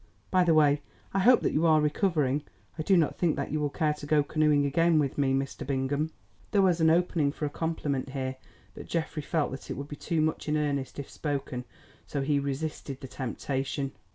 By the way I hope that you are recovering. I do not think that you will care to go canoeing again with me, Mr. Bingham." There was an opening for a compliment here, but Geoffrey felt that it would be too much in earnest if spoken, so he resisted the temptation.